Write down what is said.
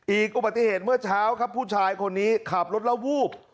อุบัติเหตุเมื่อเช้าครับผู้ชายคนนี้ขับรถแล้ววูบ